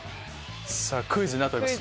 クイズになってます